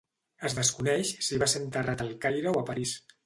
Es desconeix si va ser enterrat al Caire o a París.